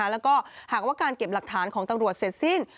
แล้วก็หากว่าการเก็บหลักฐานของตำรวจเสร็จสิ้น